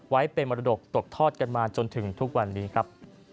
ไว้เป็นมรดกตกทอดกันมาจนถึงทุกวันนี้ครับ